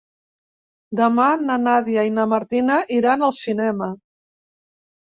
Demà na Nàdia i na Martina iran al cinema.